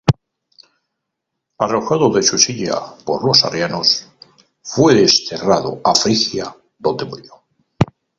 Arrojado de su silla por los arrianos, fue desterrado a Frigia, donde murió.